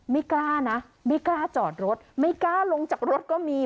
ไม่กล้านะไม่กล้าจอดรถไม่กล้าลงจากรถก็มี